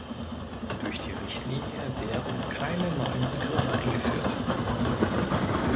Durch die Richtlinie werden keine neuen Begriffe eingeführt.